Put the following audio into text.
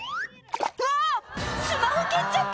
「うわスマホ蹴っちゃった！」